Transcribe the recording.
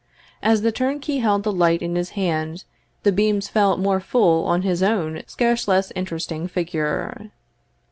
As the turnkey held the light in his hand, the beams fell more full on his own scarce less interesting figure.